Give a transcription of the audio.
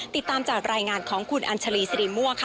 ติดตามจากรายงานของคุณอัญชาลีสิริมั่วค่ะ